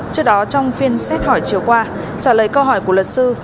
trước đó trong phiên xét hỏi chiều qua trả lời câu hỏi của luật sư